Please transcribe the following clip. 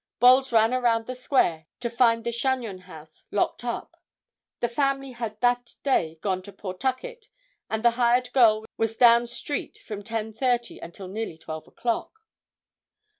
Bolles ran around the square to find the Chagnon house locked up. The family had that day gone to Pawtucket and the hired girl was down street from 10:30 until nearly 12 o'clock.